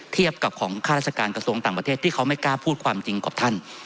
เทียบกับของข้าราชการกระทรวงต่างประเทศที่เขาไม่กล้าพูดความจริงกับท่าน